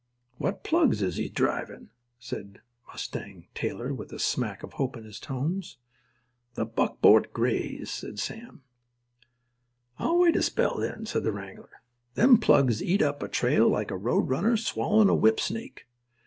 "What plugs is he drivin'?" asked Mustang Taylor, with a smack of hope in his tones. "The buckboard greys," said Sam. "I'll wait a spell, then," said the wrangler. "Them plugs eat up a trail like a road runner swallowin' a whip snake.